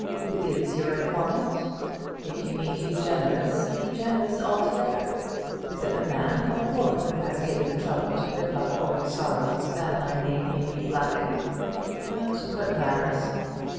Who is your informant? If you mean to be generous, be generous altogether. Is it a man or a woman that has taken the trouble to rip up old sorrows that my name may be blackened? But what matters?